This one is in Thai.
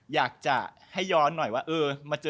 อยากจะให้ย้อนหน่อยว่า